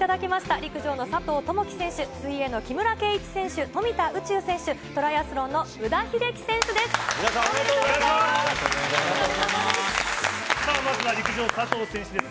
陸上の佐藤友祈選手、水泳の木村敬一選手、富田宇宙選手、トライアスロンの宇田秀生選手です。